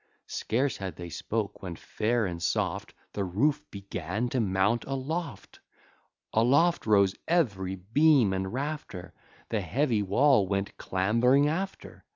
Scarce had they spoke, when fair and soft, The roof began to mount aloft; Aloft rose ev'ry beam and rafter; The heavy wall went clambering after.